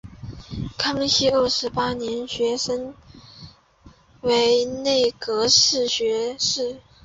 康熙二十八年升迁为内阁学士。